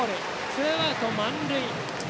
ツーアウト満塁。